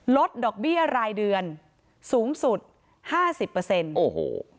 ลดดอกเบี้ยรายเดือนสูงสุดห้าสิบเปอร์เซ็นต์โอ้โห